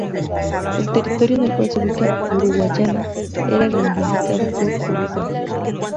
El territorio en el cual se ubica Uruguayana era reivindicado por Uruguay.